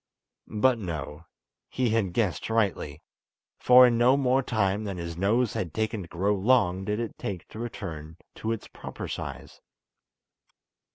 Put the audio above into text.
But, no! he had guessed rightly, for in no more time than his nose had taken to grow long did it take to return to its proper size.